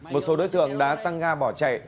một số đối tượng đã tăng ga bỏ chạy